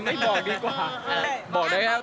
ไม่บอกดีกว่าบอกได้ครับ